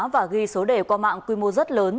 và ghi số đề qua mạng quy mô rất lớn